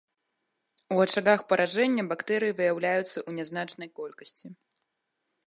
У ачагах паражэння бактэрыі выяўляюцца ў нязначнай колькасці.